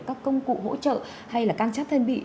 các công cụ hỗ trợ hay là can chấp thân bị